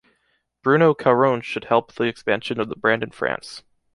Bruno Caron should help the expansion of the brand in France.